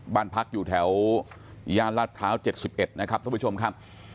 บ้านพักอยู่แถวย่านลาดพร้าว๗๑นะครับท่านผู้ชมครับ